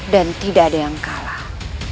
dan tidak ada yang kalah